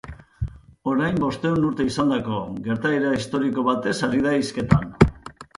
Orain bostehun urte izandako gertaera historiko batez ari da hizketan.